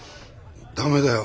駄目だよ